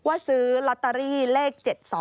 ว่าซื้อล็อตเตอรี่เลข๗๒๖